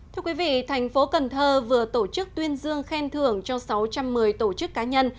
thưa quý vị thành phố cần thơ vừa tổ chức tuyên dương khen thưởng cho sáu trăm một mươi tổ chức cá nhân